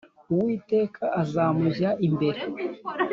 Uwiteka azamujya imbere